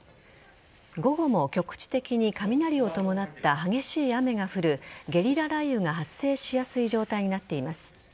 午後も局地的に雷を伴った激しい雨が降るゲリラ雷雨が発生しやすい状態になっています。